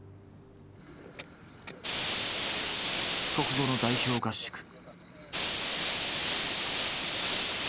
帰国後の代表合宿。